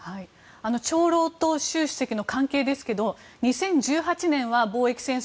長老と習主席の関係ですが２０１８年は貿易戦争